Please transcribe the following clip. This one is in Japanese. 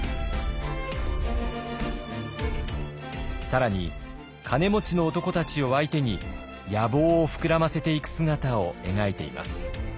更に金持ちの男たちを相手に野望を膨らませていく姿を描いています。